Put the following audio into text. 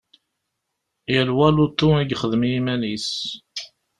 Yal wa lutu i yexdem i yiman-is.